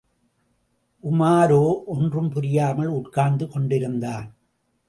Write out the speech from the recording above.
உமாரோ ஒன்றும் புரியாமல் உட்கார்ந்து கொண்டிருந்தான்.